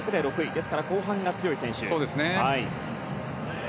ですから、後半が強い選手。